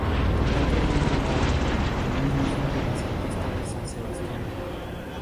Por dentro hay un retablo, con una imagen renacentista de San Sebastián.